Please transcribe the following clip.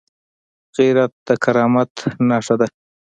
غیرت د کرامت نښه ده